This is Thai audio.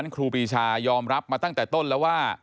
ก็ยอมรับมาตั้งแต่ต้นแล้วว่า